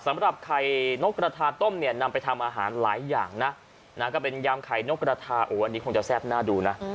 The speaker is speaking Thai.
สำหรับไข่นกกระทาต้มเนี่ยนำไปทำอาหารหลายอย่างนะก็เป็นยำไข่นกกระทาโอ้อันนี้คงจะแซ่บน่าดูนะ